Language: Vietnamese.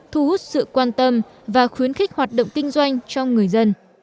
thu hút sự quan tâm và khuyến khích hoạt động kinh doanh trong người dân